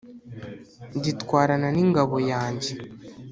Nditwarana n'ingabo yanjye